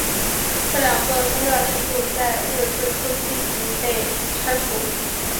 这两个宗教建筑在日治初期即被拆除。